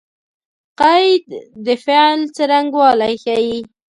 قید د فعل څرنګوالی ښيي.